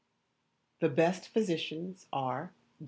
[THE BEST PHYSICIANS ARE DR.